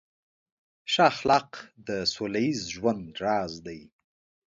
ښه اخلاق د سوله ییز ژوند راز دی.